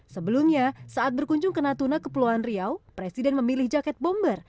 sebelumnya saat berkunjung ke natuna kepulauan riau presiden memilih jaket bomber